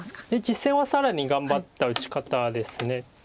実戦は更に頑張った打ち方です。